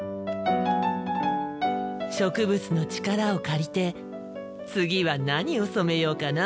植物の力を借りて次は何を染めようかな。